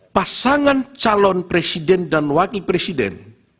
pasangan calon presiden dan wakil presiden